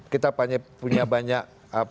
kita punya banyak